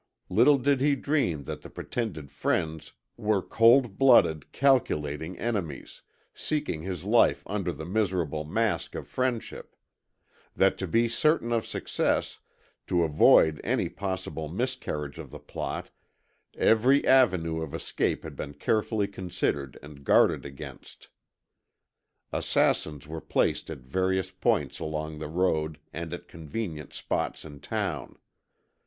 Little did he dream that the pretended friends were cold blooded, calculating enemies, seeking his life under the miserable mask of friendship; that to be certain of success, to avoid any possible miscarriage of the plot, every avenue of escape had been carefully considered and guarded against. Assassins were placed at various points along the road and at convenient spots in town.